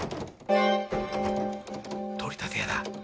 ・取り立て屋だ。